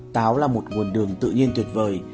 táo là một nguồn đường tự nhiên tuyệt vời